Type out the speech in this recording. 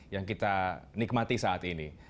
yang kita nikmati saat ini